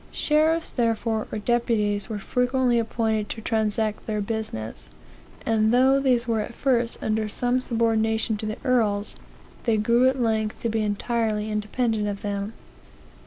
Sheriffs, therefore, or deputies, were frequently appointed to transact their business; and though these were at first under some subordination to the earls, they grew at length to be entirely independent of them.